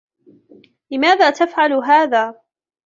لماذا تفعل هذا ؟